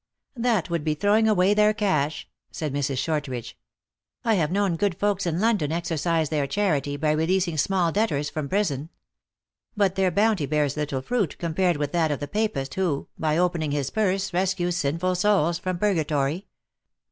" That would be throwing away their cash," said Mrs. Shortridge. " I have known good folks in Lon don exercise their charity by releasing small debtors 290 THE ACTRESS IN HIGH LIFE. * from prison. But their bounty bears little fruit, compared with that of the Papist, who, by opening his purse, rescues sinful souls from purgatory.